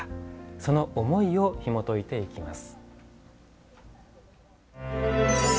その思いをひもといていきます。